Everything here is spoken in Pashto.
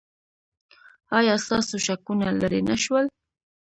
ایا ستاسو شکونه لرې نه شول؟